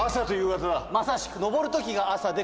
まさしく。